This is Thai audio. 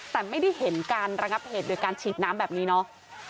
แต่ไม่ได้เห็นการระงับเหตุโดยการฉีดน้ำแบบนี้เนาะ